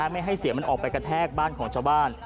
ไม่ให้เสียงมันออกไปกระแทกบ้านของชาวบ้าน